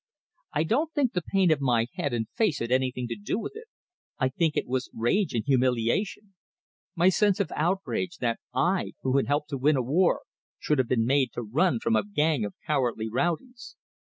I don't think the pain of my head and face had anything to do with it, I think it was rage and humiliation; my sense of outrage, that I, who had helped to win a war, should have been made to run from a gang of cowardly rowdies.